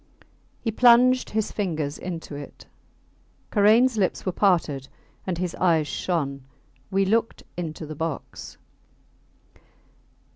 He plunged his fingers into it. Karains lips were parted and his eyes shone. We looked into the box.